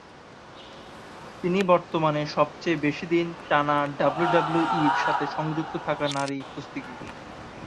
তিনি বর্তমানে সবচেয়ে বেশি দিন টানা ডাব্লিউডাব্লিউইর সাথে সংযুক্ত থাকা নারী কুস্তিগীর।